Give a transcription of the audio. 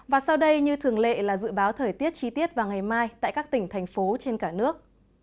và sau đây như thường lệ là dự báo thời tiết chi tiết vào ngày mai tại các tỉnh thành phố trên cả nước